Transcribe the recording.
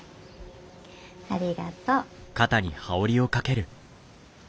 ありがとう。